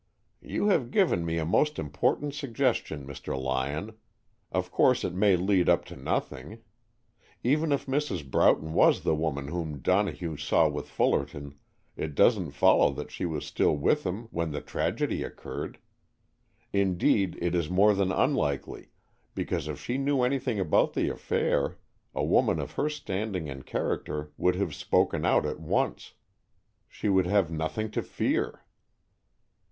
"You have given me a most important suggestion, Mr. Lyon. Of course it may lead up to nothing. Even if Mrs. Broughton was the woman whom Donohue saw with Fullerton, it doesn't follow that she was still with him when the tragedy occurred. Indeed, it is more than unlikely, because if she knew anything about the affair, a woman of her standing and character would have spoken out at once. She would have nothing to fear."